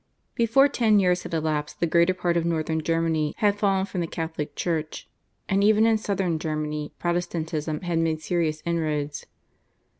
Before ten years had elapsed the greater part of Northern Germany had fallen from the Catholic Church, and even in Southern Germany Protestantism had made serious inroads.